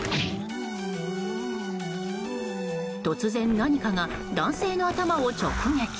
突然、何かが男性の頭を直撃。